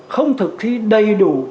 không thực thi đầy đủ